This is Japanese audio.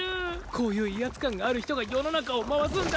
こういう威圧感がある人が世の中を回すんだ。